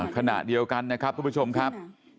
ขณะเดียวกันนะครับทุกผู้ชมครับ